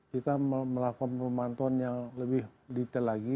kita melakukan pemantauan yang lebih detail lagi